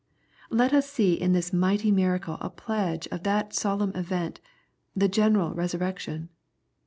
Let us see in this mighty miracle a pledge of that lolemn event, the general resurrection.